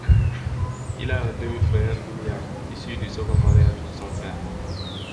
Il a un demi-frère, William, issu du second mariage de son père.